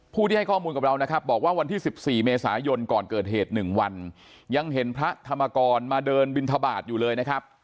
ผู้ที่ให้ข้อมูลกับเรานะครับบอกว่าวันที่๑๔เมษายนก่อนเกิดเหตุ๑วันยังเห็นพระธรรมกรมาเดินบินทบาทอยู่เลยนะครับ